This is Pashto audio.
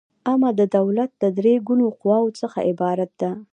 عامه د دولت له درې ګونو قواوو څخه عبارت ده.